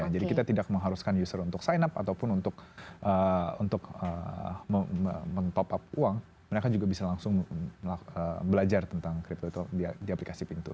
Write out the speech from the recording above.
jadi kita tidak mengharuskan user untuk sign up ataupun untuk untuk men top up uang mereka juga bisa langsung belajar tentang crypto itu di aplikasi pintu